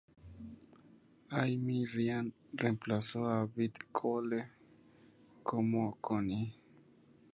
Amy Ryan reemplazó a Beth Cole como Connie.